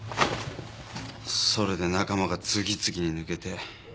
それで仲間が次々に抜けて。